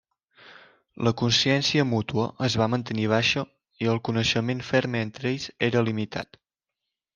La consciència mútua es va mantenir baixa i el coneixement ferm entre ells era limitat.